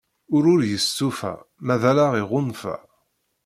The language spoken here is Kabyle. Ul ur yestufa ma d allaɣ iɣunfa.